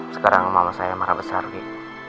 sekarang mama saya marah besar bu